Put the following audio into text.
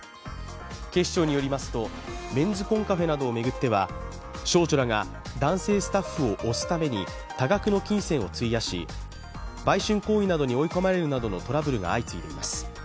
警視庁によりますと、メンズ・コンカフェなどを巡っては少女らが男性スタッフを推すために多額の金銭を費やし売春行為などに追い込まれるなどのトラブルが相次いでいます。